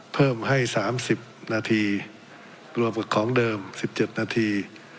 เพิ่มให้สามสิบนาทีรวมกับของเดิมสิบเจ็ดนาที